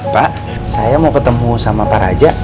pak saya mau ketemu sama pak raja